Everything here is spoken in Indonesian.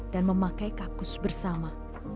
dan memakai kakus bersama